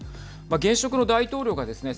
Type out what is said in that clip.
現職の大統領がですね